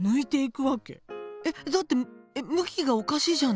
えっ？だって向きがおかしいじゃない。